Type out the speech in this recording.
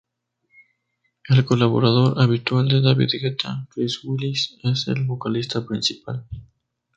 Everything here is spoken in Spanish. El colaborador habitual de David Guetta, Chris Willis, es el vocalista principal.